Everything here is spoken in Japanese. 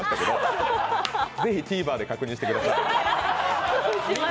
ぜひＴＶｅｒで確認してください。